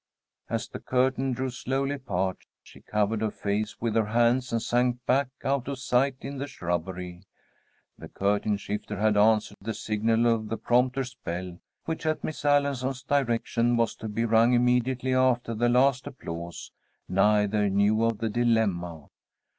As the curtain drew slowly apart, she covered her face with her hands and sank back out of sight in the shrubbery. The curtain shifter had answered the signal of the prompter's bell, which at Miss Allison's direction was to be rung immediately after the last applause. Neither knew of the dilemma.